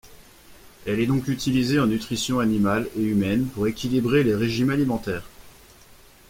Elle est donc utilisée en nutrition animale et humaine pour équilibrer les régimes alimentaires.